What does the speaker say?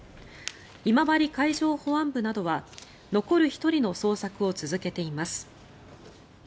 今治海上保安部などは残る１人の捜索を続けています。